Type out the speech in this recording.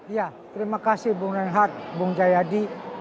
ya terima kasih bang renhat bang jayadi